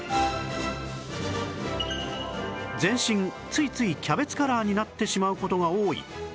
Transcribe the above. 全身ついついキャベツカラーになってしまう事が多い